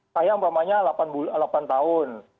sayang pak maknya delapan tahun